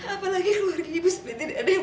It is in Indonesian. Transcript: apalagi keluarga ibu seperti tidak ada yang